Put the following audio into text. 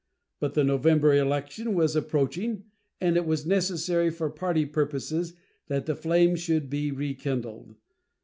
But the November election was approaching, and it was necessary for party purposes that the flame should be rekindled.